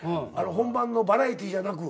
本番のバラエティーじゃなく。